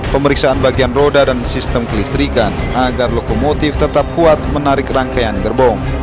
pemeriksaan bagian roda dan sistem kelistrikan agar lokomotif tetap kuat menarik rangkaian gerbong